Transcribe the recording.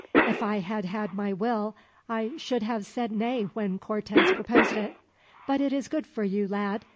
If I had had my will, I should have said nay when Cortez proposed it; but it is good for you, lad.